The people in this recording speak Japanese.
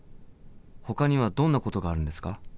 ほかにはどんなことがあるんですか？